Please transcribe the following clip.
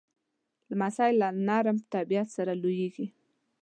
لمسی له نرم طبیعت سره لویېږي.